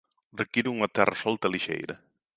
Require unha terra solta e lixeira.